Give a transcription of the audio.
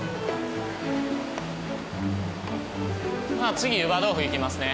次湯葉どうふいきますね。